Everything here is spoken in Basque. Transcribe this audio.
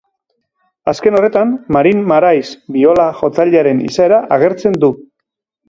Azken horretan, Marin Marais biola-jotzailearen izaera agertzen du.